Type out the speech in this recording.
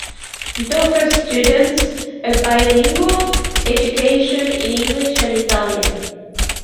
It offers students a bilingual education in English and Italian.